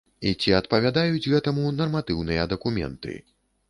І ці адпавядаюць гэтаму нарматыўныя дакументы.